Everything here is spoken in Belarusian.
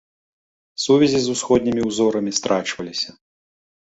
Сувязі з усходнімі ўзорамі страчваліся.